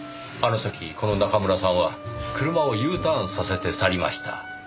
あの時この中村さんは車をＵターンさせて去りました。